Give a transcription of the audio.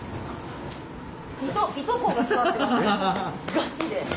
ガチで。